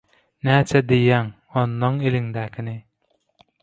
– Näçe diýýäň, onnoň eliňdäkini?